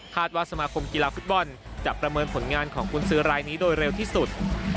ว่าสมาคมกีฬาฟุตบอลจะประเมินผลงานของกุญซื้อรายนี้โดยเร็วที่สุด